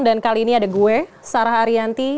dan kali ini ada gue sarah ariyanti